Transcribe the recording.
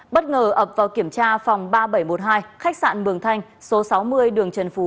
bất ngờ ập vào kiểm tra phòng ba nghìn bảy trăm một mươi hai khách sạn mường thanh số sáu mươi đường trần phú